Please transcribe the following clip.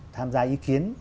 tham gia ý kiến